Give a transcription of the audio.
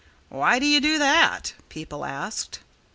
"Why do you do that?" people asked.